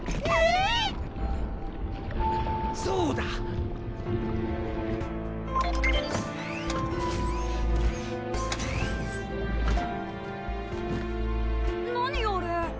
あそうだ！何あれ？